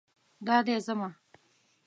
دا دی ځمه